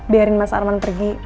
biarin mas arman pergi